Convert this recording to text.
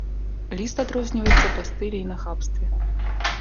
Ліст адрозніваецца па стылі і нахабстве.